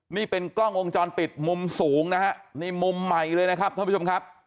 นี่เป็นกล้องวงจรปิดมุมสูงนะฮะนี่มุมใหม่เลยนะครับท่านผู้ชมครับ